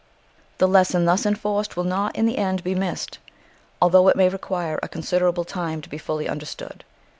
The lesson thus enforced will not in the end be missed, although it may require a considerable time to be fully understood.